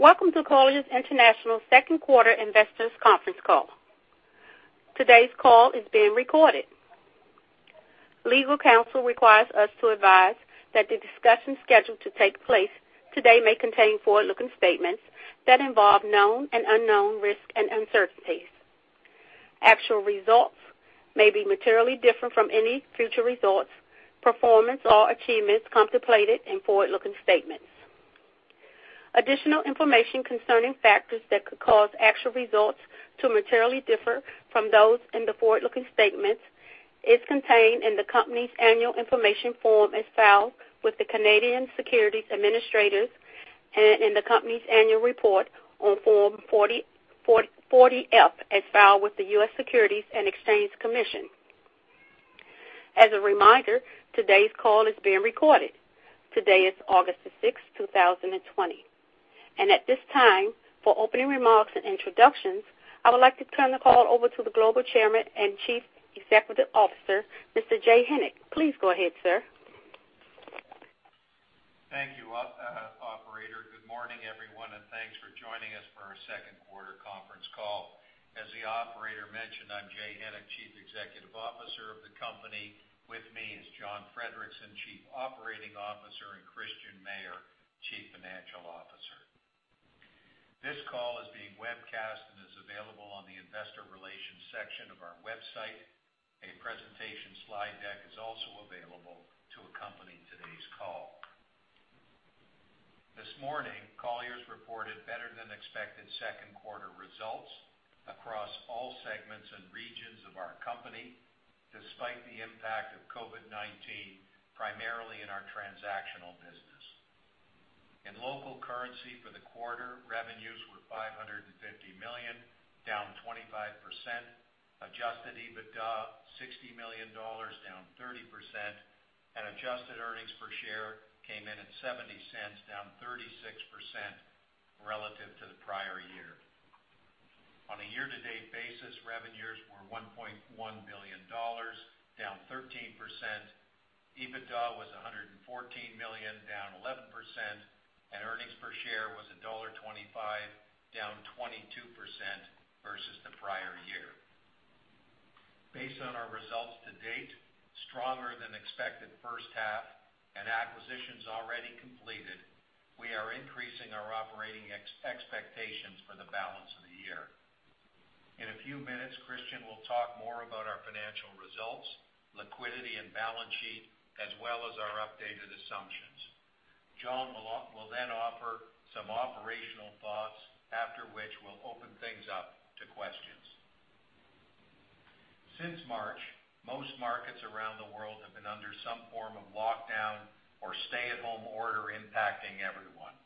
Welcome to Colliers International's Second Quarter Investors' Conference Call. Today's call is being recorded. Legal counsel requires us to advise that the discussion scheduled to take place today may contain forward-looking statements that involve known and unknown risks and uncertainties. Actual results may be materially different from any future results, performance, or achievements contemplated in forward-looking statements. Additional information concerning factors that could cause actual results to materially differ from those in the forward-looking statements is contained in the company's annual information form as filed with the Canadian Securities Administrators and in the company's annual report on Form 40-F as filed with the U.S. Securities and Exchange Commission. As a reminder, today's call is being recorded. Today is August 6th, 2020. At this time, for opening remarks and introductions, I would like to turn the call over to the Global Chairman and Chief Executive Officer, Mr. Jay Hennick. Please go ahead, sir. Thank you, operator. Good morning, everyone, and thanks for joining us for our second quarter conference call. As the operator mentioned, I'm Jay Hennick, Chief Executive Officer of the company. With me is John Friedrichsen, Chief Operating Officer, and Christian Mayer, Chief Financial Officer. This call is being webcast and is available on the investor relations section of our website. A presentation slide deck is also available to accompany today's call. This morning, Colliers reported better-than-expected second quarter results across all segments and regions of our company, despite the impact of COVID-19, primarily in our transactional business. In local currency for the quarter, revenues were $550 million, down 25%, adjusted EBITDA $60 million, down 30%, and adjusted earnings per share came in at $0.70, down 36% relative to the prior year. On a year-to-date basis, revenues were $1.1 billion, down 13%, EBITDA was $114 million, down 11%, and earnings per share was $1.25, down 22% versus the prior year. Based on our results to date, stronger than expected first half and acquisitions already completed, we are increasing our operating expectations for the balance of the year. In a few minutes, Christian will talk more about our financial results, liquidity, and balance sheet, as well as our updated assumptions. John will offer some operational thoughts, after which we'll open things up to questions. Since March, most markets around the world have been under some form of lockdown or stay-at-home order impacting everyone.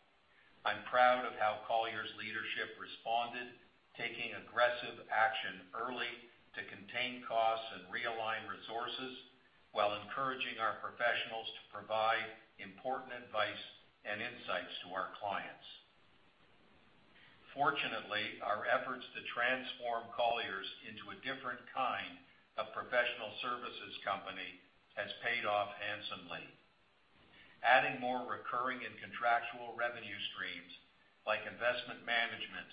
I'm proud of how Colliers leadership responded, taking aggressive action early to contain costs and realign resources while encouraging our professionals to provide important advice and insights to our clients. Fortunately, our efforts to transform Colliers into a different kind of professional services company has paid off handsomely. Adding more recurring and contractual revenue streams like investment management,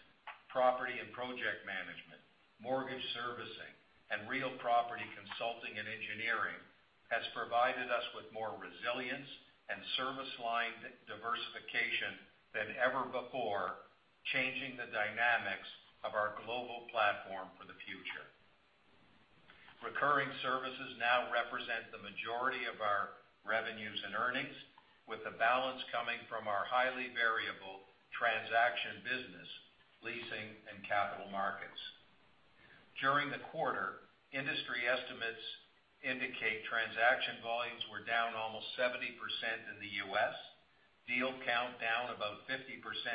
property and project management, mortgage servicing, and real property consulting and engineering has provided us with more resilience and service line diversification than ever before, changing the dynamics of our global platform for the future. Recurring services now represent the majority of our revenues and earnings, with the balance coming from our highly variable transaction business, leasing, and capital markets. During the quarter, industry estimates indicate transaction volumes were down almost 70% in the U.S., deal count down about 50%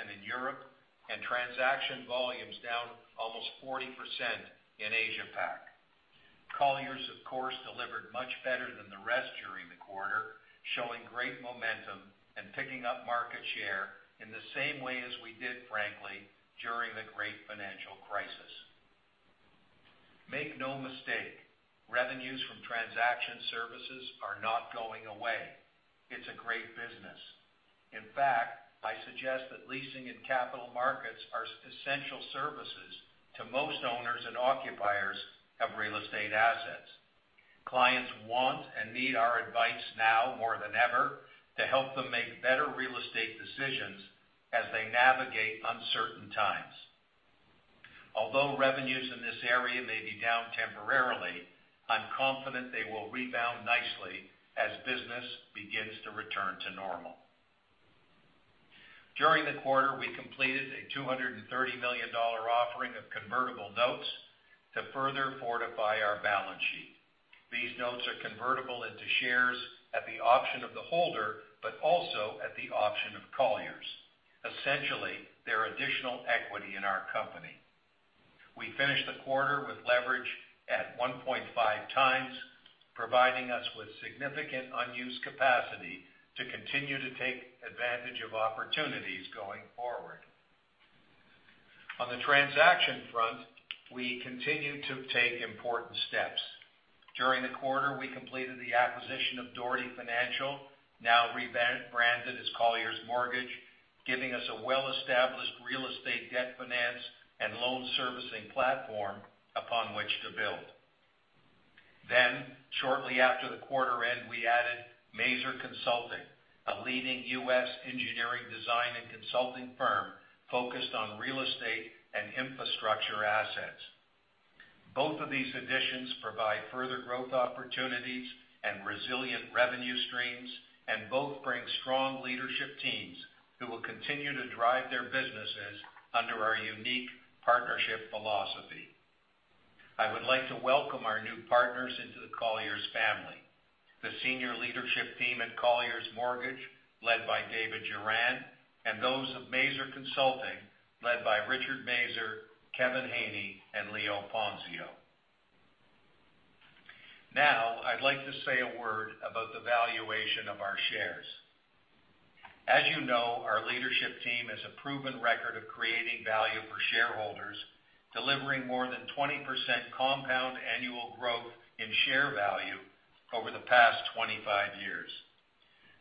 in Europe, and transaction volumes down almost 40% in Asia-Pac. Colliers, of course, delivered much better than the rest during the quarter, showing great momentum and picking up market share in the same way as we did, frankly, during the great financial crisis. Make no mistake, revenues from transaction services are not going away. It's a great business. In fact, I suggest that leasing and capital markets are essential services to most owners and occupiers of real estate assets. Clients want and need our advice now more than ever to help them make better real estate decisions as they navigate uncertain times. Although revenues in this area may be down temporarily, I'm confident they will rebound nicely as business begins to return to normal. During the quarter, we completed a $230 million offering of convertible notes to further fortify our balance sheet. These notes are convertible into shares at the option of the holder, but also at the option of Colliers. Essentially, they're additional equity in our company. We finished the quarter with leverage at 1.5x, providing us with significant unused capacity to continue to take advantage of opportunities going forward. On the transaction front, we continue to take important steps. During the quarter, we completed the acquisition of Dougherty Mortgage, now rebranded as Colliers Mortgage, giving us a well-established real estate debt finance and loan servicing platform upon which to build. Shortly after the quarter end, we added Maser Consulting, a leading U.S. engineering design and consulting firm focused on real estate and infrastructure assets. Both of these additions provide further growth opportunities and resilient revenue streams, and both bring strong leadership teams who will continue to drive their businesses under our unique partnership philosophy. I would like to welcome our new partners into the Colliers family, the senior leadership team at Colliers Mortgage, led by David Juran, and those of Maser Consulting, led by Richard Maser, Kevin Haney, and Leo Ponzio. Now, I'd like to say a word about the valuation of our shares. As you know, our leadership team has a proven record of creating value for shareholders, delivering more than 20% compound annual growth in share value over the past 25 years.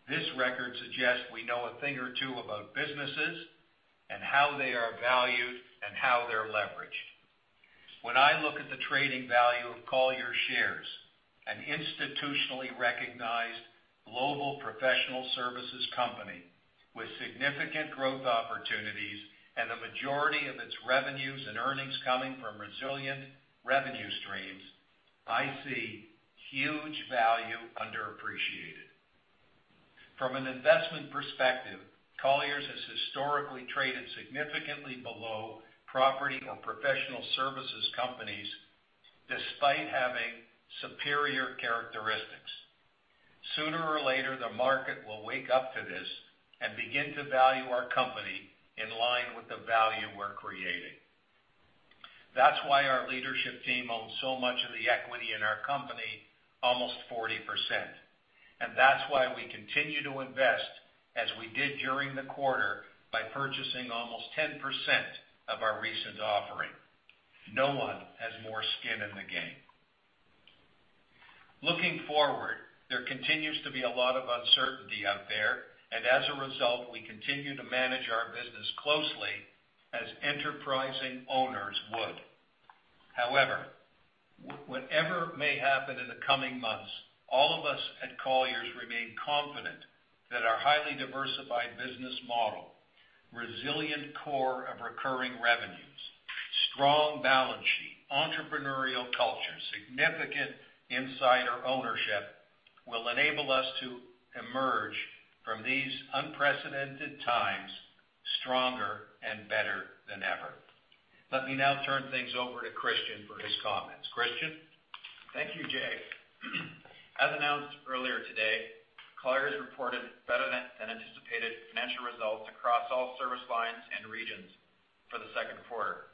This record suggests we know a thing or two about businesses and how they are valued and how they're leveraged. When I look at the trading value of Colliers shares, an institutionally recognized global professional services company with significant growth opportunities and the majority of its revenues and earnings coming from resilient revenue streams, I see huge value underappreciated. From an investment perspective, Colliers has historically traded significantly below property or professional services companies, despite having superior characteristics. Sooner or later, the market will wake up to this and begin to value our company in line with the value we're creating. That's why our leadership team owns so much of the equity in our company, almost 40%, and that's why we continue to invest as we did during the quarter by purchasing almost 10% of our recent offering. No one has more skin in the game. Looking forward, there continues to be a lot of uncertainty out there, and as a result, we continue to manage our business closely as enterprising owners would. However, whatever may happen in the coming months, all of us at Colliers remain confident that our highly diversified business model, resilient core of recurring revenues, strong balance sheet, entrepreneurial culture, significant insider ownership, will enable us to emerge from these unprecedented times stronger and better than ever. Let me now turn things over to Christian for his comments. Christian? Thank you, Jay. As announced earlier today, Colliers reported better-than-anticipated financial results across all service lines and regions for the second quarter.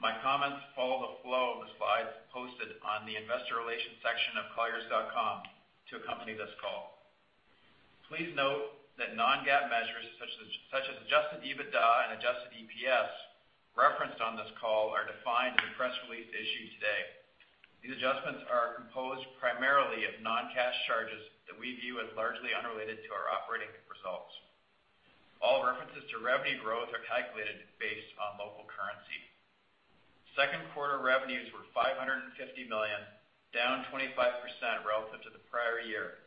My comments follow the flow of the slides posted on the investor relations section of colliers.com to accompany this call. Please note that non-GAAP measures such as adjusted EBITDA and adjusted EPS referenced on this call are defined in the press release issued today. These adjustments are composed primarily of non-cash charges that we view as largely unrelated to our operating results. All references to revenue growth are calculated based on local currency. Second quarter revenues were $550 million, down 25% relative to the prior year.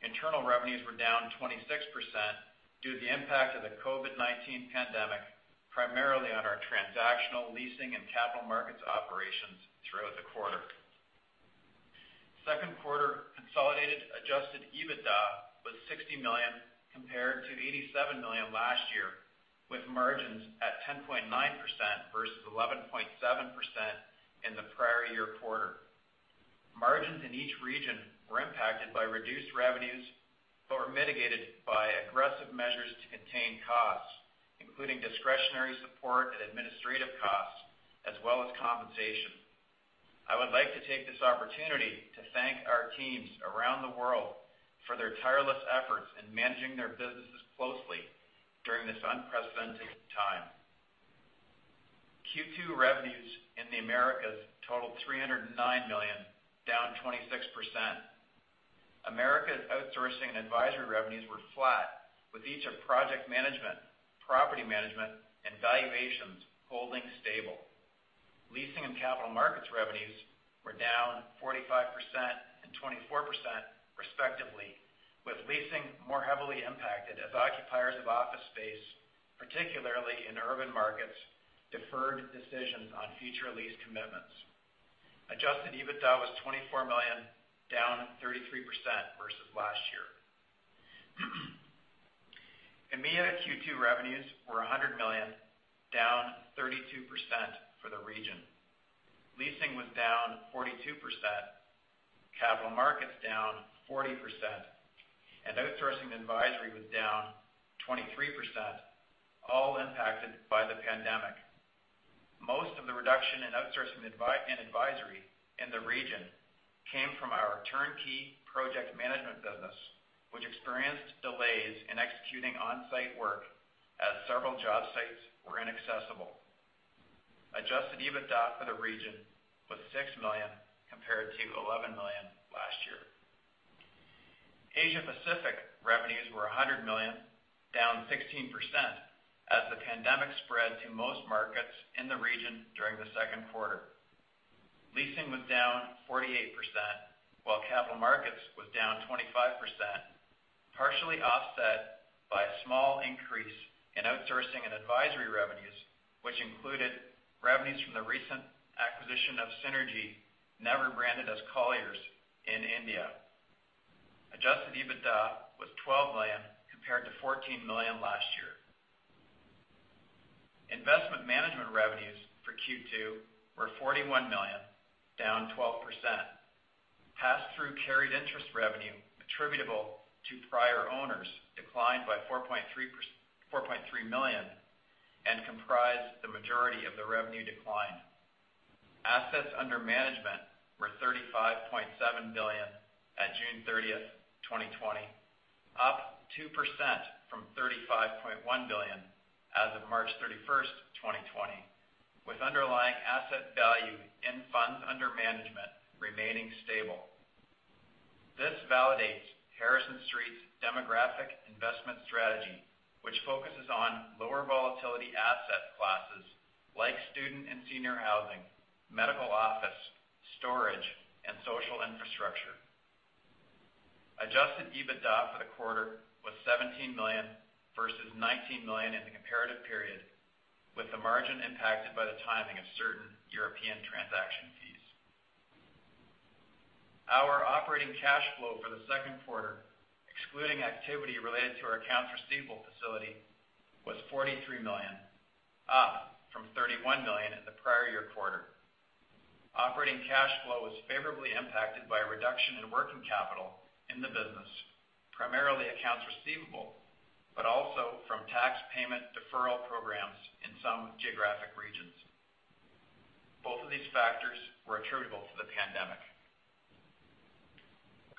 Internal revenues were down 26% due to the impact of the COVID-19 pandemic, primarily on our transactional leasing and capital markets operations throughout the quarter. Second quarter consolidated adjusted EBITDA was $60 million compared to $87 million last year, with margins at 10.9% versus 11.7% in the prior year quarter. Margins in each region were impacted by reduced revenues but were mitigated by aggressive measures to contain costs, including discretionary support and administrative costs, as well as compensation. I would like to take this opportunity to thank our teams around the world for their tireless efforts in managing their businesses closely during this unprecedented time. Q2 revenues in the Americas totaled $309 million, down 26%. Americas outsourcing and advisory revenues were flat, with each of project management, property management, and valuations holding stable. Leasing and capital markets revenues were down 45% and 24% respectively, with leasing more heavily impacted as occupiers of office space, particularly in urban markets, deferred decisions on future lease commitments. Adjusted EBITDA was $24 million, down 33% versus last year. EMEA Q2 revenues were $100 million, down 32% for the region. Leasing was down 42%, capital markets down 40%, and outsourcing advisory was down 23%, all impacted by the pandemic. Most of the reduction in outsourcing and advisory in the region came from our turnkey project management business, which experienced delays in executing on-site work as several job sites were inaccessible. Adjusted EBITDA for the region was $6 million compared to $11 million last year. Asia Pacific revenues were $100 million, down 16%, as the pandemic spread to most markets in the region during the second quarter. Leasing was down 48%, while capital markets was down 25%, partially offset by a small increase in outsourcing and advisory revenues, which included revenues from the recent acquisition of Synergy, now rebranded as Colliers in India. Adjusted EBITDA was $12 million, compared to $14 million last year. Investment management revenues for Q2 were $41 million, down 12%. Pass-through carried interest revenue attributable to prior owners declined by $4.3 million, and comprised the majority of the revenue decline. Assets under management were $35.7 billion at June 30th, 2020, up 2% from $35.1 billion as of March 31st, 2020, with underlying asset value in funds under management remaining stable. This validates Harrison Street's demographic investment strategy, which focuses on lower volatility asset classes like student and senior housing, medical office, storage, and social infrastructure. Adjusted EBITDA for the quarter was $17 million versus $19 million in the comparative period, with the margin impacted by the timing of certain European transaction fees. Our operating cash flow for the second quarter, excluding activity related to our accounts receivable facility, was $43 million, up from $31 million in the prior year quarter. Operating cash flow was favorably impacted by a reduction in working capital in the business, primarily accounts receivable, but also from tax payment deferral programs in some geographic regions. Both of these factors were attributable to the pandemic.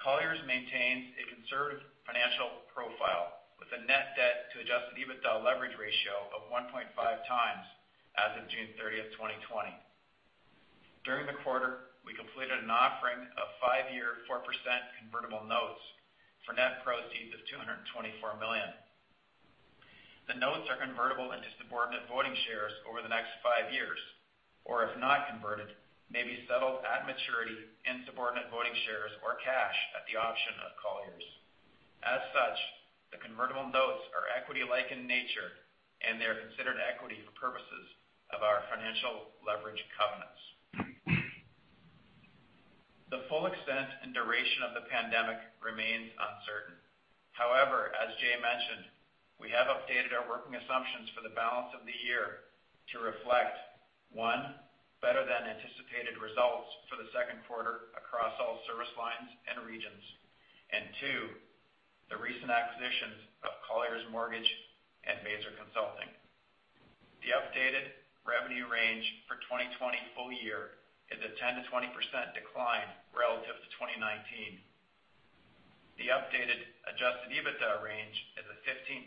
Colliers maintains a conservative financial profile with a net debt to adjusted EBITDA leverage ratio of 1.5x as of June 30th, 2020. During the quarter, we completed an offering of five-year 4% convertible notes for net proceeds of $224 million. The notes are convertible into subordinate voting shares over the next five years, or if not converted, may be settled at maturity in subordinate voting shares or cash at the option of Colliers. As such, the convertible notes are equity-like in nature, and they are considered equity for purposes of our financial leverage covenants. The full extent and duration of the pandemic remains uncertain. However, as Jay mentioned, we have updated our working assumptions for the balance of the year to reflect, one, better than anticipated results for the second quarter across all service lines and regions. And two, the recent acquisitions of Colliers Mortgage and Maser Consulting. The updated revenue range for 2020 full year is a 10%-20% decline relative to 2019. The updated adjusted EBITDA range is a 15%-25%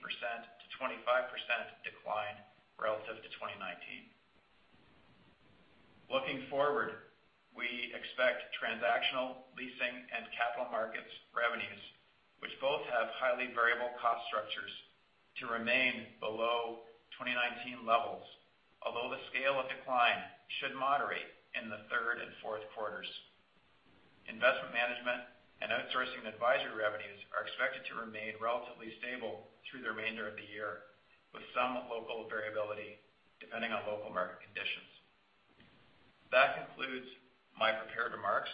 decline relative to 2019. Looking forward, we expect transactional leasing and capital markets revenues, which both have highly variable cost structures, to remain below 2019 levels. Although the scale of decline should moderate in the third and fourth quarters. Investment management and outsourcing advisory revenues are expected to remain relatively stable through the remainder of the year, with some local variability depending on local market conditions. That concludes my prepared remarks,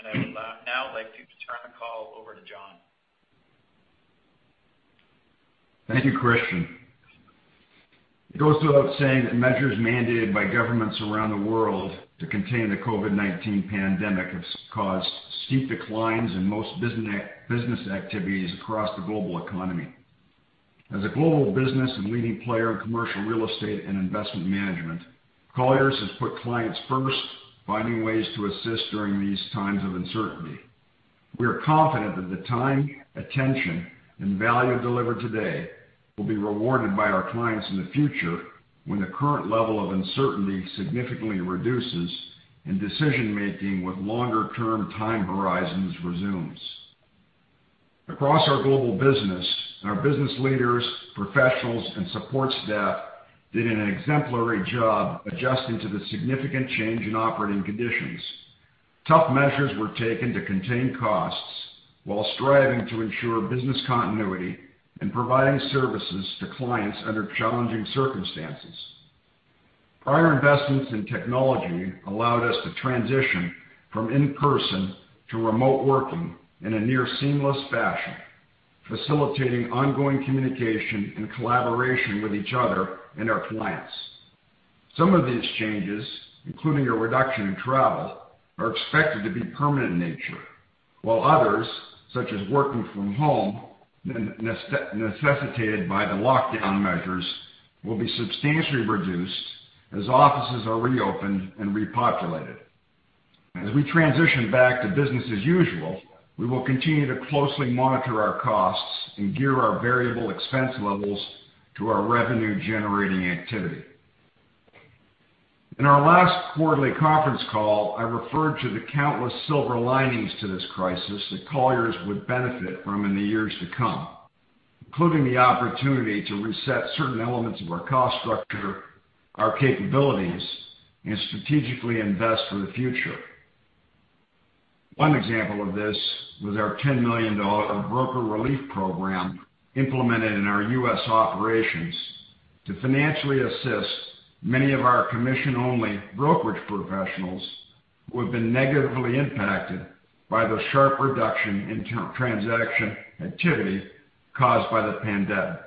and I would now like to turn the call over to John. Thank you, Christian. It goes without saying that measures mandated by governments around the world to contain the COVID-19 pandemic have caused steep declines in most business activities across the global economy. As a global business and leading player in commercial real estate and investment management, Colliers has put clients first, finding ways to assist during these times of uncertainty. We are confident that the time, attention, and value delivered today will be rewarded by our clients in the future when the current level of uncertainty significantly reduces and decision-making with longer term time horizons resumes. Across our global business, our business leaders, professionals, and support staff did an exemplary job adjusting to the significant change in operating conditions. Tough measures were taken to contain costs while striving to ensure business continuity and providing services to clients under challenging circumstances. Prior investments in technology allowed us to transition from in-person to remote working in a near seamless fashion, facilitating ongoing communication and collaboration with each other and our clients. Some of these changes, including a reduction in travel, are expected to be permanent in nature. While others, such as working from home, necessitated by the lockdown measures, will be substantially reduced as offices are reopened and repopulated. As we transition back to business as usual, we will continue to closely monitor our costs and gear our variable expense levels to our revenue-generating activity. In our last quarterly conference call, I referred to the countless silver linings to this crisis that Colliers would benefit from in the years to come, including the opportunity to reset certain elements of our cost structure, our capabilities, and strategically invest for the future. One example of this was our $10 million broker relief program implemented in our U.S. operations to financially assist many of our commission-only brokerage professionals who have been negatively impacted by the sharp reduction in transaction activity caused by the pandemic.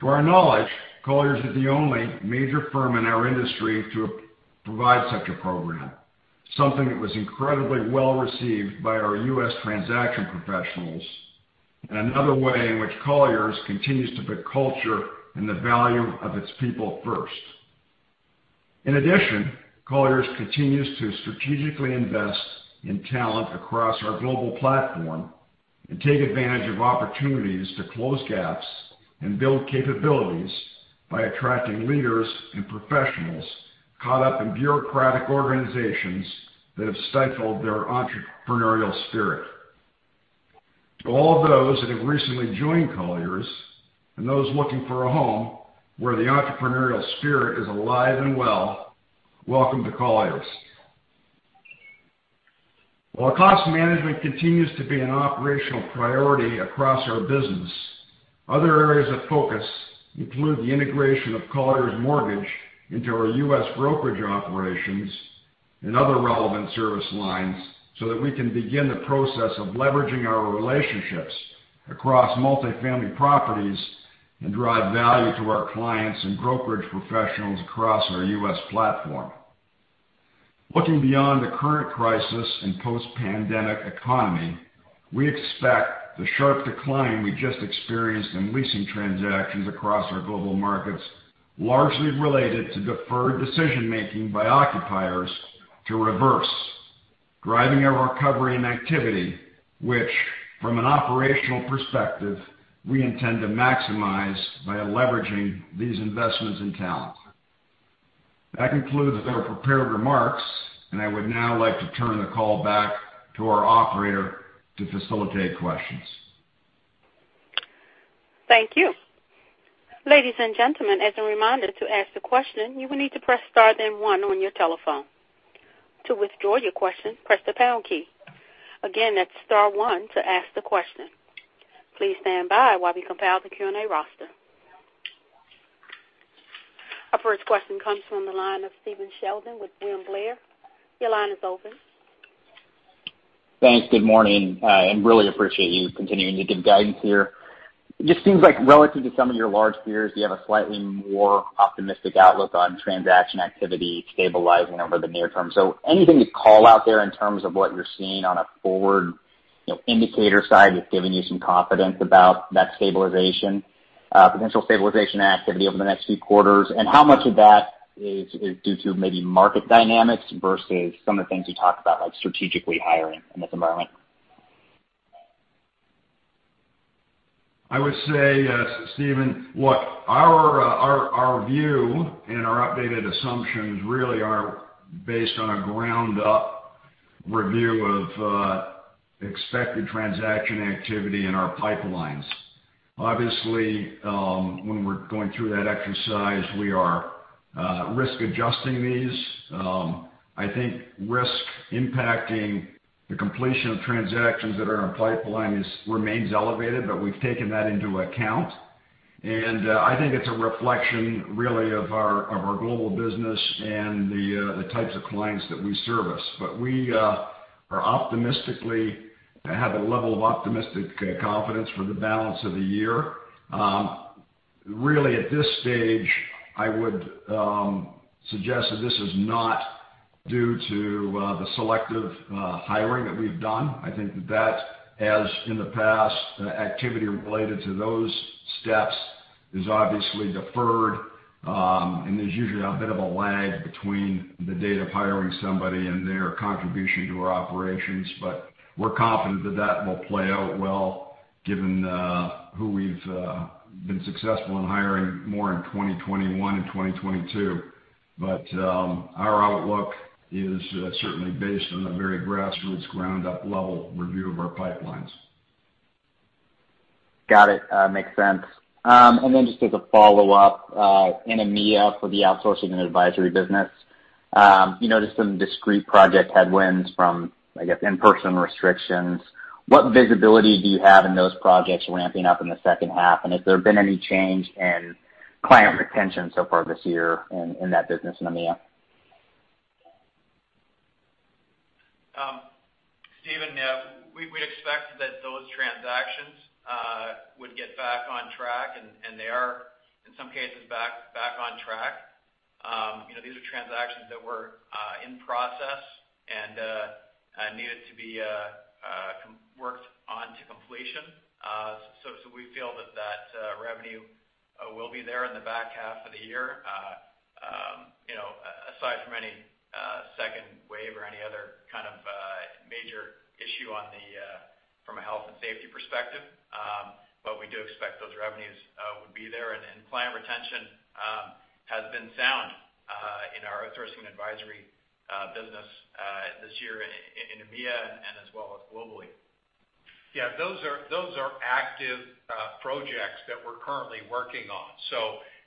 To our knowledge, Colliers is the only major firm in our industry to provide such a program. Something that was incredibly well received by our U.S. transaction professionals, and another way in which Colliers continues to put culture and the value of its people first. In addition, Colliers continues to strategically invest in talent across our global platform and take advantage of opportunities to close gaps and build capabilities by attracting leaders and professionals caught up in bureaucratic organizations that have stifled their entrepreneurial spirit. To all those that have recently joined Colliers and those looking for a home where the entrepreneurial spirit is alive and well, welcome to Colliers. While cost management continues to be an operational priority across our business, other areas of focus include the integration of Colliers Mortgage into our U.S. brokerage operations and other relevant service lines so that we can begin the process of leveraging our relationships across multifamily properties and drive value to our clients and brokerage professionals across our U.S. platform. Looking beyond the current crisis and post-pandemic economy, we expect the sharp decline we just experienced in leasing transactions across our global markets, largely related to deferred decision-making by occupiers to reverse, driving a recovery in activity, which from an operational perspective, we intend to maximize by leveraging these investments in talent. That concludes our prepared remarks. I would now like to turn the call back to our operator to facilitate questions. Thank you. Ladies and gentlemen, as a reminder, to ask the question, you will need to press star then one on your telephone. To withdraw your question, press the pound key. Again, that's star one to ask the question. Please stand by while we compile the Q&A roster. Our first question comes from the line of Stephen Sheldon with William Blair. Your line is open. Thanks. Good morning, and really appreciate you continuing to give guidance here. It just seems like relative to some of your large peers, you have a slightly more optimistic outlook on transaction activity stabilizing over the near term. Anything to call out there in terms of what you're seeing on a forward indicator side that's giving you some confidence about that potential stabilization activity over the next few quarters? How much of that is due to maybe market dynamics versus some of the things you talked about, like strategically hiring in this environment? I would say, Stephen, what our view and our updated assumptions really are based on a ground-up review of expected transaction activity in our pipelines. Obviously, when we're going through that exercise, we are risk adjusting these. I think risk impacting the completion of transactions that are in our pipeline remains elevated, but we've taken that into account. I think it's a reflection, really, of our global business and the types of clients that we service. We optimistically have a level of optimistic confidence for the balance of the year. Really, at this stage, I would suggest that this is not due to the selective hiring that we've done. I think that as in the past, activity related to those steps is obviously deferred. There's usually a bit of a lag between the date of hiring somebody and their contribution to our operations. We're confident that that will play out well given who we've been successful in hiring more in 2021 and 2022. Our outlook is certainly based on a very grassroots, ground-up level review of our pipelines. Got it. Makes sense. Just as a follow-up, in EMEA for the outsourcing and advisory business, you noticed some discrete project headwinds from, I guess, in-person restrictions. What visibility do you have in those projects ramping up in the second half? Has there been any change in client retention so far this year in that business in EMEA? Stephen, we expect that those transactions would get back on track, and they are in some cases back on track actions that were in process and needed to be worked on to completion. We feel that revenue will be there in the back half of the year. Aside from any second wave or any other kind of major issue from a health and safety perspective. We do expect those revenues would be there. Client retention has been sound in our outsourcing advisory business this year in EMEA and as well as globally. Yeah, those are active projects that we're currently working on.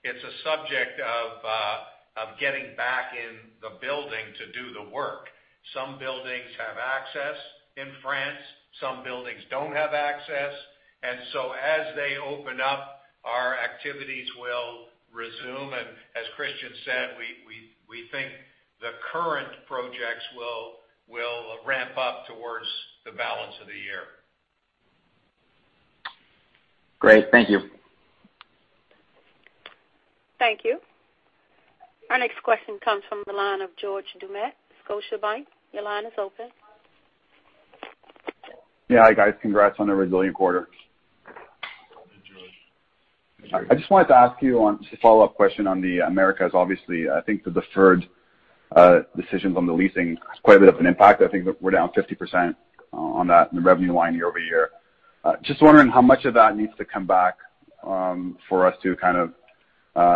It's a subject of getting back in the building to do the work. Some buildings have access in France, some buildings don't have access. As they open up, our activities will resume. As Christian said, we think the current projects will ramp up towards the balance of the year. Great. Thank you. Thank you. Our next question comes from the line of George Doumet, Scotiabank. Your line is open. Yeah. Hi, guys. Congrats on the resilient quarter. I just wanted to ask you a follow-up question on the Americas. Obviously, I think the deferred decisions on the leasing has quite a bit of an impact. I think that we're down 50% on that, in the revenue line year-over-year. Just wondering how much of that needs to come back for us to kind of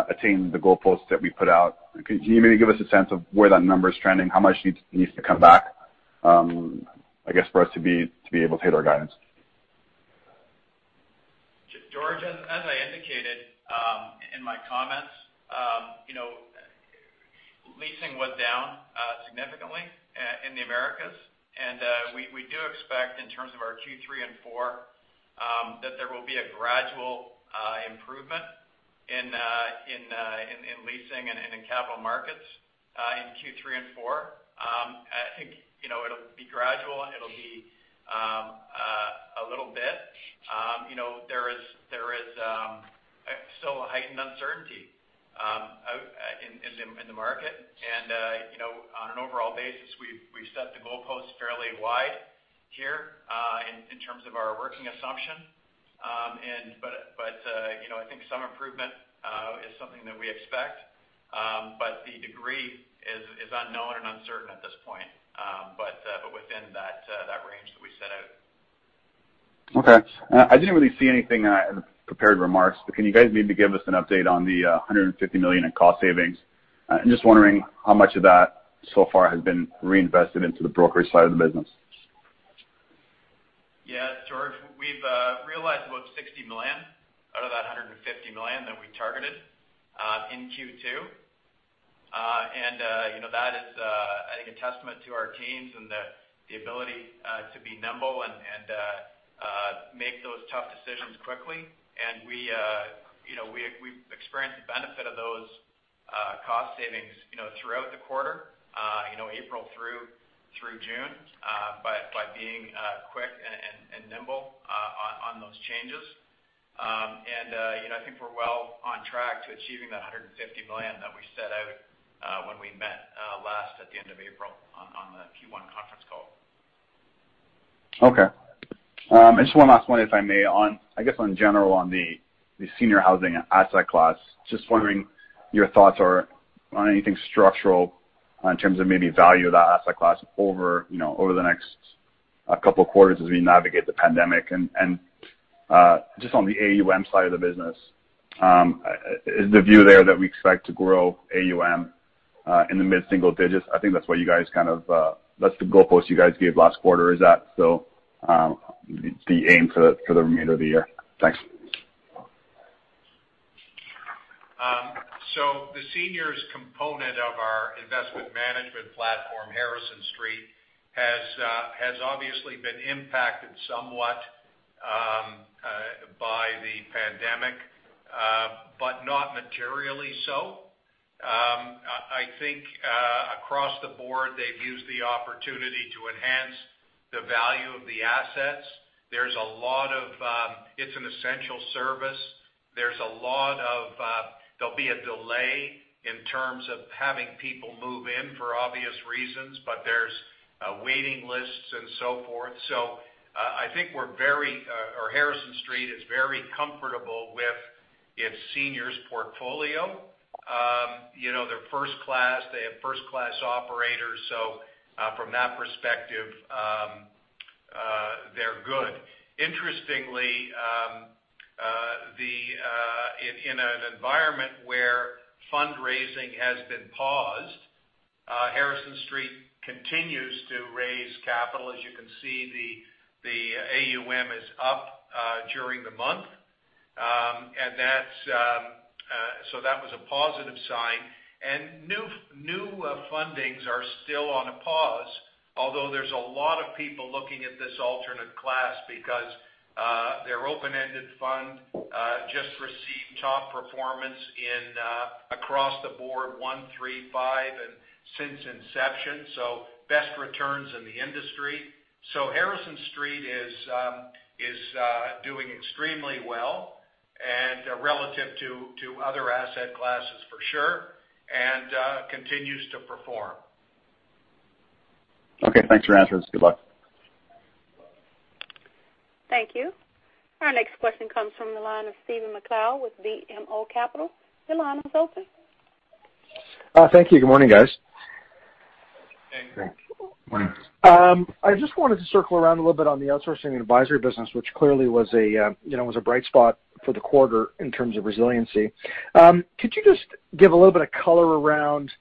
attain the goalposts that we put out. Can you maybe give us a sense of where that number's trending, how much needs to come back, I guess, for us to be able to hit our guidance? George, as I indicated in my comments, leasing was down significantly in the Americas. We do expect in terms of our Q3 and four, that there will be a gradual improvement in leasing and in capital markets in Q3 and four. I think it'll be gradual. It'll be a little bit. There is still a heightened uncertainty in the market. On an overall basis, we've set the goalposts fairly wide here in terms of our working assumption. I think some improvement is something that we expect. The degree is unknown and uncertain at this point, but within that range that we set out. Okay. I didn't really see anything in the prepared remarks, but can you guys maybe give us an update on the $150 million in cost savings? I'm just wondering how much of that so far has been reinvested into the brokerage side of the business. Yeah, George, we've realized about $60 million out of that $150 million that we targeted in Q2. That is I think a testament to our teams and the ability to be nimble and make those tough decisions quickly. We've experienced the benefit of those cost savings throughout the quarter April through June by being quick and nimble on those changes. I think we're well on track to achieving that $150 million that we set out when we met last at the end of April on the Q1 conference call. Okay. Just one last one, if I may. I guess in general, on the senior housing asset class, just wondering your thoughts or on anything structural in terms of maybe value of that asset class over the next couple of quarters as we navigate the pandemic. Just on the AUM side of the business, is the view there that we expect to grow AUM in the mid-single digits? I think that's the goalpost you guys gave last quarter. Is that still the aim for the remainder of the year? Thanks. The seniors component of our investment management platform, Harrison Street, has obviously been impacted somewhat by the pandemic but not materially so. I think across the board, they've used the opportunity to enhance the value of the assets. It's an essential service. There'll be a delay in terms of having people move in for obvious reasons, but there's waiting lists and so forth. I think Harrison Street is very comfortable with its seniors portfolio. They're first class. They have first-class operators. From that perspective, they're good. Interestingly, in an environment where fundraising has been paused, Harrison Street continues to raise capital. As you can see, the AUM is up during the month. That was a positive sign. New fundings are still on a pause, although there's a lot of people looking at this alternate class because their open-ended fund just received top performance in across the board one, three, five and since inception, best returns in the industry. Harrison Street is doing extremely well and relative to other asset classes for sure, and continues to perform. Okay. Thanks for your answers. Good luck. Thank you. Our next question comes from the line of Stephen MacLeod with BMO Capital. Your line is open. Thank you. Good morning, guys. Good morning. Morning. I just wanted to circle around a little bit on the outsourcing and advisory business, which clearly was a bright spot for the quarter in terms of resiliency. Could you just give a little bit of color around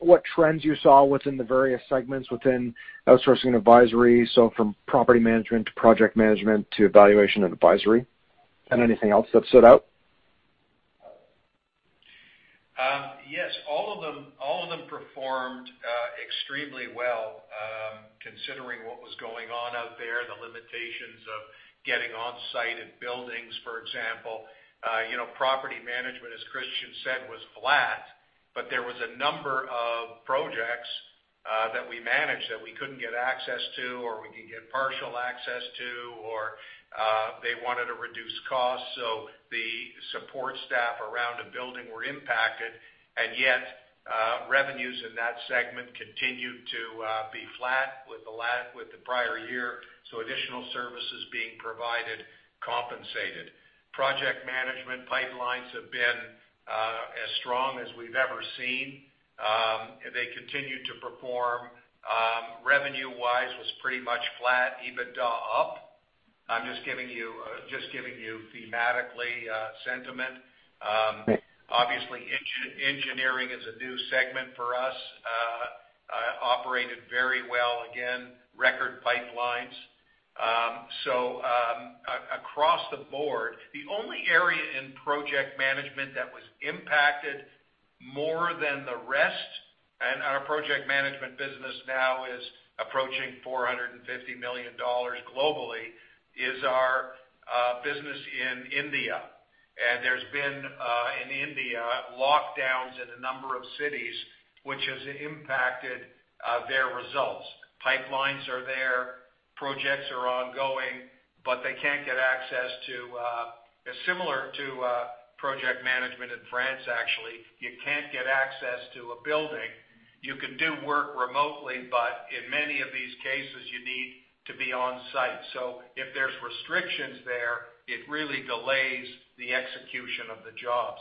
what trends you saw within the various segments, within outsourcing and advisory, so from property management to project management to valuation and advisory, and anything else that stood out? Yes. All of them performed extremely well, considering what was going on out there, the limitations of getting on-site at buildings, for example. Property management, as Christian said, was flat, but there was a number of projects that we managed that we couldn't get access to, or we could get partial access to, or they wanted to reduce costs, so the support staff around a building were impacted. Yet, revenues in that segment continued to be flat with the prior year, so additional services being provided compensated. Project management pipelines have been as strong as we've ever seen. They continued to perform. Revenue-wise was pretty much flat, EBITDA up. I'm just giving you thematically sentiment. Okay. Obviously, engineering is a new segment for us. Operated very well, again, record pipelines. Across the board, the only area in project management that was impacted more than the rest, and our project management business now is approaching $450 million globally, is our business in India. There's been, in India, lockdowns in a number of cities, which has impacted their results. Pipelines are there. Projects are ongoing, but they can't get access to similar to project management in France, actually. You can't get access to a building. You can do work remotely, but in many of these cases, you need to be on-site. If there's restrictions there, it really delays the execution of the job.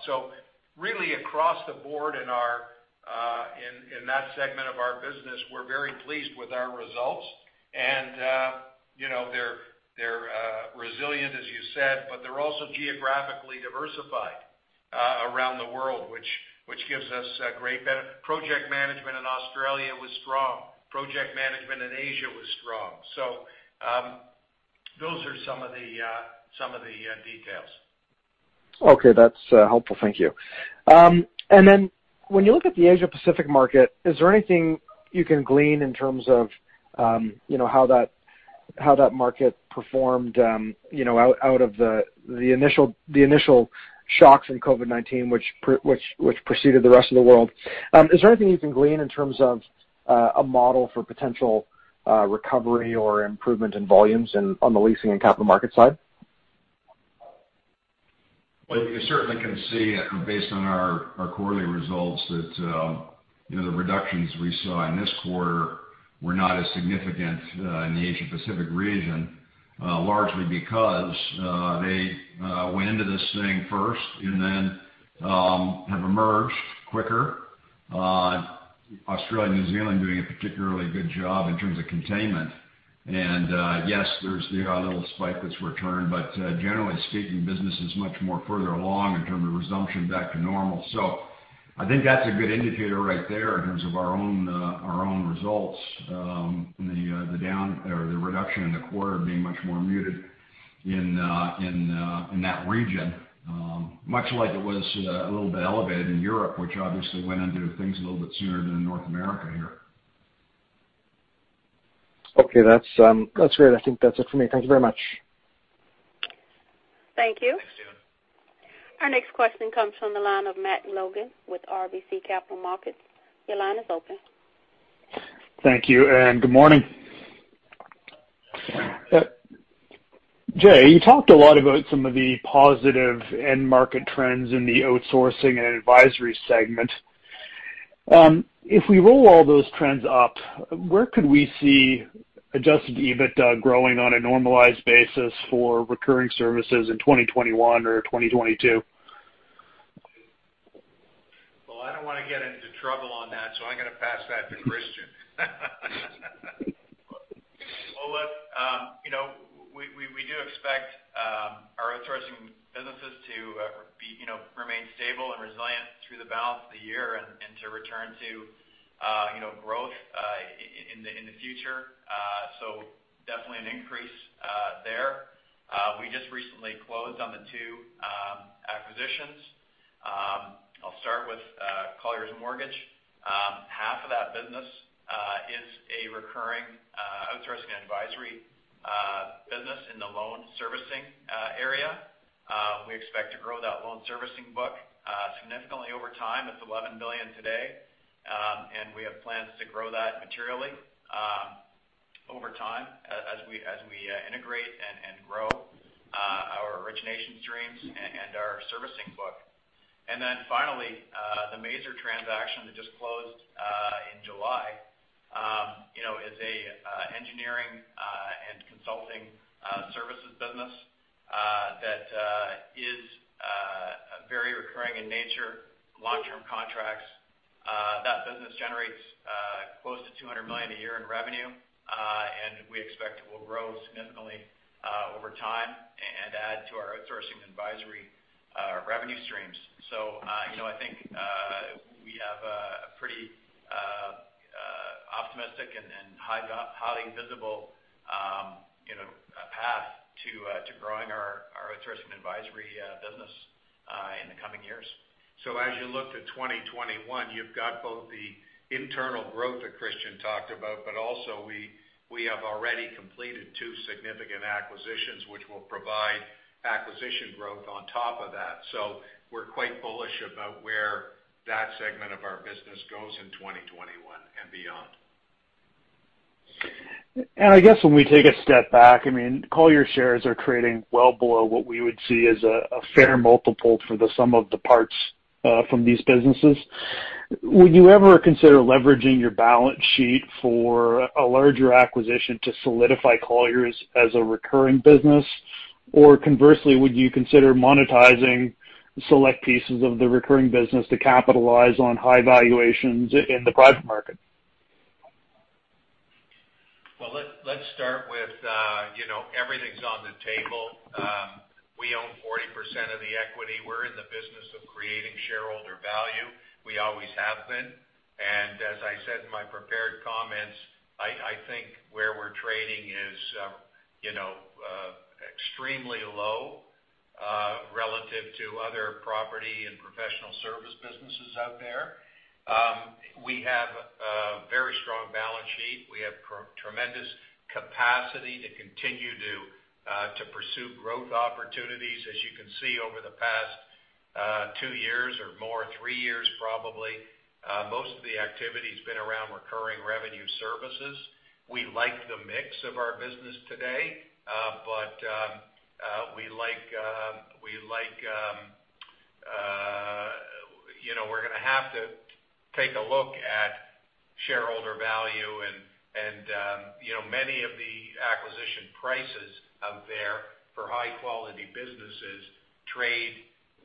Really, across the board in that segment of our business, we're very pleased with our results. They're resilient, as you said, but they're also geographically diversified around the world, which gives us a great benefit. Project management in Australia was strong. Project management in Asia was strong. Those are some of the details. Okay. That's helpful. Thank you. When you look at the Asia Pacific market, is there anything you can glean in terms of how that market performed out of the initial shocks in COVID-19, which preceded the rest of the world? Is there anything you can glean in terms of a model for potential recovery or improvement in volumes on the leasing and capital markets side? You certainly can see based on our quarterly results that the reductions we saw in this quarter were not as significant in the Asia Pacific region, largely because they went into this thing first and then have emerged quicker. Australia and New Zealand doing a particularly good job in terms of containment. Yes, there's the little spike that's returned. Generally speaking, business is much more further along in terms of resumption back to normal. I think that's a good indicator right there in terms of our own results. The reduction in the quarter being much more muted in that region. Much like it was a little bit elevated in Europe, which obviously went into things a little bit sooner than North America here. Okay. That's great. I think that's it for me. Thank you very much. Thank you. Thanks, Stephen. Our next question comes from the line of Matt Logan with RBC Capital Markets. Your line is open. Thank you. Good morning. Jay, you talked a lot about some of the positive end market trends in the outsourcing and advisory segment. If we roll all those trends up, where could we see adjusted EBITDA growing on a normalized basis for recurring services in 2021 or 2022? Well, I don't want to get into trouble on that, so I'm going to pass that to Christian. Well, look, we do expect our outsourcing businesses to remain stable and resilient through the balance of the year and to return to growth in the future. Definitely an increase there. We just recently closed on the two acquisitions. I'll start with Colliers Mortgage. Half of that business is a recurring outsourcing and advisory business in the loan servicing area. We expect to grow that loan servicing book significantly over time. It's $11 billion today. We have plans to grow that materially over time, as we integrate and grow our origination streams and our servicing book. Finally, the Maser transaction that just closed in July is a engineering and consulting services business that is very recurring in nature, long-term contracts. That business generates close to $200 million a year in revenue. We expect it will grow significantly over time and add to our outsourcing advisory revenue streams. I think we have a pretty optimistic and highly visible path to growing our outsourcing advisory business in the coming years. As you look to 2021, you've got both the internal growth that Christian talked about, but also we have already completed two significant acquisitions, which will provide acquisition growth on top of that. We're quite bullish about where that segment of our business goes in 2021 and beyond. I guess when we take a step back, Colliers shares are trading well below what we would see as a fair multiple for the sum of the parts from these businesses. Would you ever consider leveraging your balance sheet for a larger acquisition to solidify Colliers as a recurring business? Conversely, would you consider monetizing select pieces of the recurring business to capitalize on high valuations in the private market? Well, let's start with everything's on the table. We own 40% of the equity. We're in the business of creating shareholder value. We always have been. As I said in my prepared comments, I think where we're trading is extremely low relative to other property and professional service businesses out there. We have a very strong balance sheet. We have tremendous capacity to continue to pursue growth opportunities. As you can see, over the past two years or more, three years probably, most of the activity's been around recurring revenue services. We like the mix of our business today. We're going to have to take a look at shareholder value and many of the acquisition prices out there for high-quality businesses trade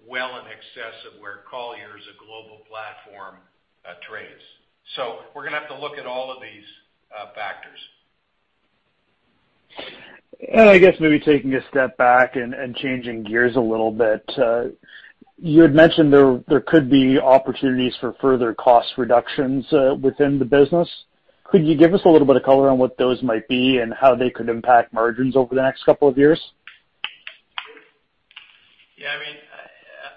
well in excess of where Colliers, a global platform, trades. We're going to have to look at all of these factors. I guess maybe taking a step back and changing gears a little bit. You had mentioned there could be opportunities for further cost reductions within the business. Could you give us a little bit of color on what those might be and how they could impact margins over the next couple of years? Yeah,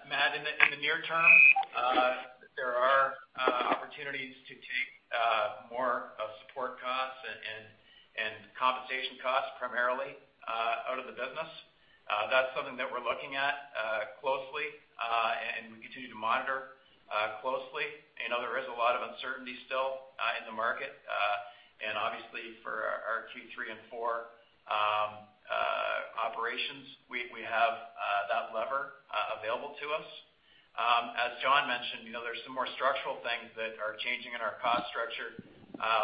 Matt, in the near term, there are opportunities to take more of support costs and compensation costs primarily out of the business. That's something that we're looking at closely, and we continue to monitor closely. There is a lot of uncertainty still in the market. Obviously for our Q3 and four operations, we have that lever available to us. As John mentioned, there's some more structural things that are changing in our cost structure,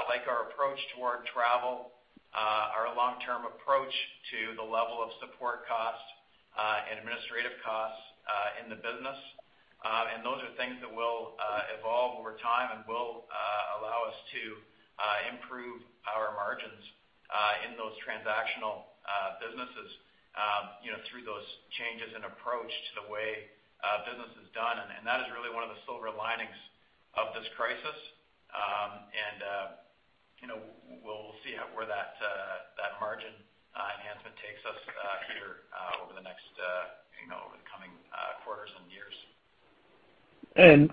like our approach toward travel, our long-term approach to the level of support costs and administrative costs in the business. Those are things that will evolve over time and will allow us to improve our margins in those transactional businesses through those changes in approach to the way business is done. That is really one of the silver linings of this crisis. We'll see where that margin enhancement takes us here over the coming quarters and years.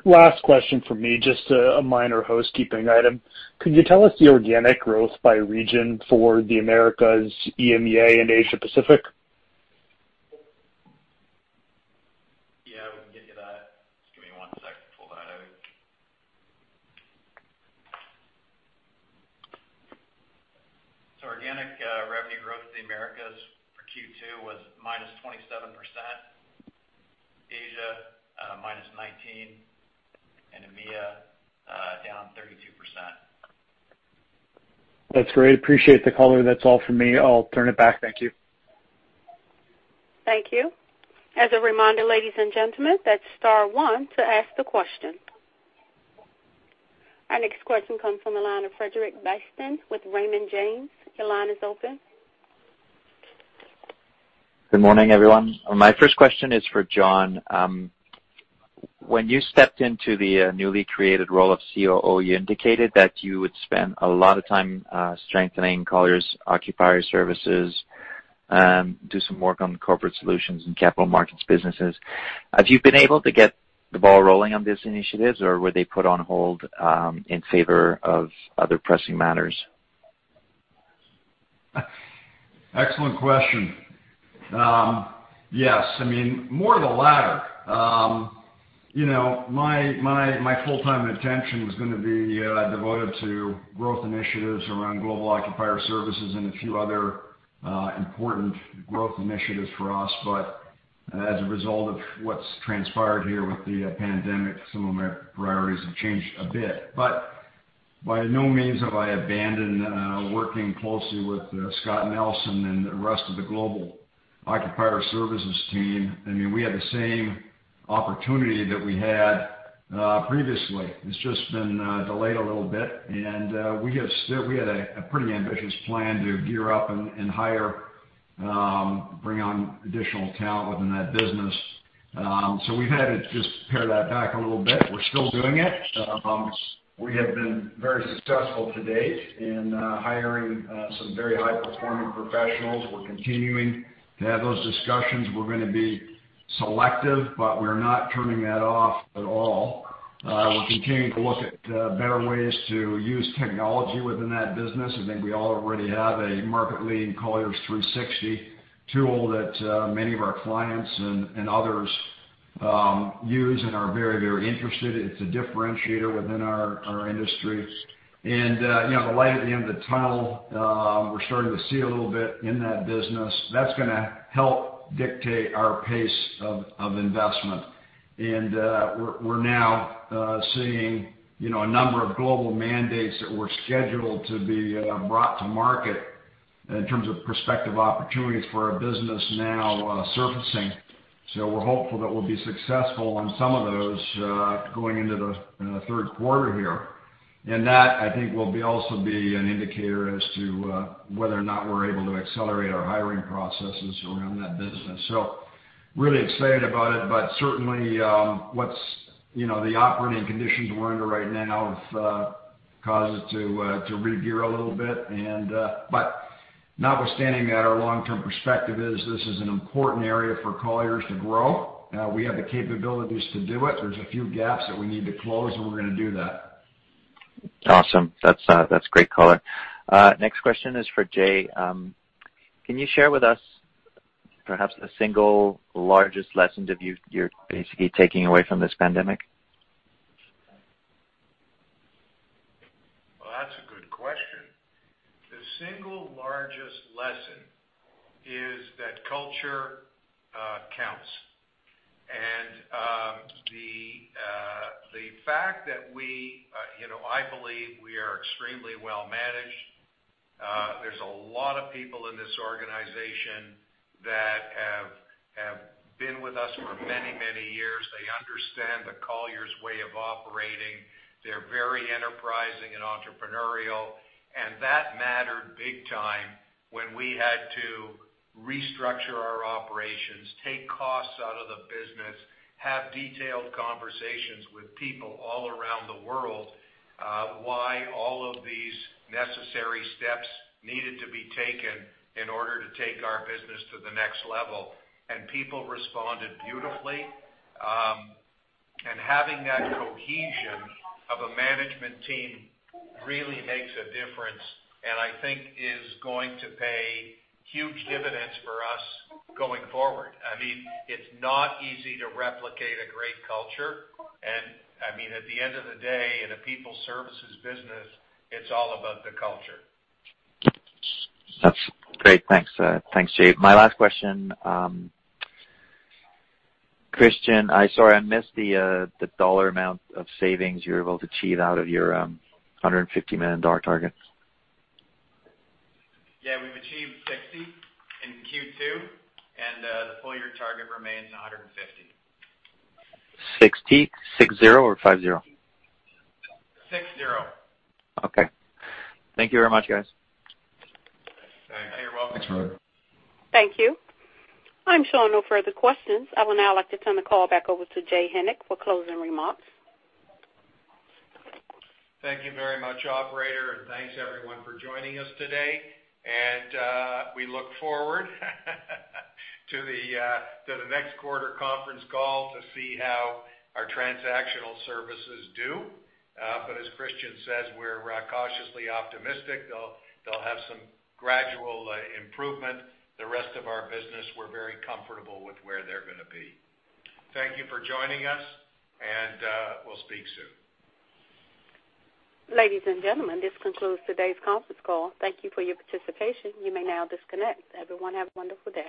Last question from me, just a minor housekeeping item. Could you tell us the organic growth by region for the Americas, EMEA, and Asia Pacific? Yeah, we can get you that. Just give me one sec to pull that out. Organic revenue growth in the Americas for Q2 was -27%, Asia -19%, and EMEA down 32%. That's great. Appreciate the color. That's all from me. I'll turn it back. Thank you. Thank you. As a reminder, ladies and gentlemen, that's star one to ask the question. Our next question comes from the line of Frederic Bastien with Raymond James. Your line is open. Good morning, everyone. My first question is for John. When you stepped into the newly created role of COO, you indicated that you would spend a lot of time strengthening Colliers' occupier services and do some work on the corporate solutions and capital markets businesses. Have you been able to get the ball rolling on these initiatives, or were they put on hold in favor of other pressing matters? Excellent question. Yes, more of the latter. My full-time attention was going to be devoted to growth initiatives around global occupier services and a few other important growth initiatives for us. As a result of what's transpired here with the pandemic, some of my priorities have changed a bit. By no means have I abandoned working closely with Scott Nelson and the rest of the global occupier services team. We have the same opportunity that we had previously. It's just been delayed a little bit, and we had a pretty ambitious plan to gear up and hire, bring on additional talent within that business. We've had to just pare that back a little bit. We're still doing it. We have been very successful to date in hiring some very high-performing professionals. We're continuing to have those discussions. We're going to be selective, but we're not turning that off at all. We're continuing to look at better ways to use technology within that business. I think we already have a market-leading Colliers360 tool that many of our clients and others use and are very interested in. It's a differentiator within our industry. The light at the end of the tunnel, we're starting to see a little bit in that business. That's going to help dictate our pace of investment. We're now seeing a number of global mandates that were scheduled to be brought to market in terms of prospective opportunities for our business now surfacing. We're hopeful that we'll be successful on some of those going into the third quarter here. That, I think, will also be an indicator as to whether or not we're able to accelerate our hiring processes around that business. Really excited about it, but certainly, the operating conditions we're under right now have caused us to regear a little bit. Notwithstanding that, our long-term perspective is this is an important area for Colliers to grow. We have the capabilities to do it. There's a few gaps that we need to close, and we're going to do that. Awesome. That's great color. Next question is for Jay. Can you share with us perhaps the single largest lesson that you're basically taking away from this pandemic? Well, that's a good question. The single largest lesson is that culture counts. The fact that I believe we are extremely well-managed. There's a lot of people in this organization that have been with us for many years. They understand the Colliers way of operating. They're very enterprising and entrepreneurial, and that mattered big time when we had to restructure our operations, take costs out of the business, have detailed conversations with people all around the world, why all of these necessary steps needed to be taken in order to take our business to the next level. People responded beautifully. Having that cohesion of a management team really makes a difference and I think is going to pay huge dividends for us going forward. It's not easy to replicate a great culture, and at the end of the day, in a people services business, it's all about the culture. That's great. Thanks, Jay. My last question. Christian, sorry, I missed the dollar amount of savings you were able to achieve out of your $150 million target. Yeah, we've achieved $60 in Q2. The full year target remains $150. 60? Six, zero or five, zero? Six, zero. Okay. Thank you very much, guys. Thanks. You're welcome. Thanks, Fred. Thank you. I'm showing no further questions. I would now like to turn the call back over to Jay Hennick for closing remarks. Thank you very much, operator, and thanks everyone for joining us today. We look forward to the next quarter conference call to see how our transactional services do. As Christian says, we're cautiously optimistic they'll have some gradual improvement. The rest of our business, we're very comfortable with where they're going to be. Thank you for joining us, and we'll speak soon. Ladies and gentlemen, this concludes today's conference call. Thank you for your participation. You may now disconnect. Everyone, have a wonderful day.